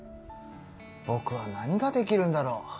ぼくは何ができるんだろう？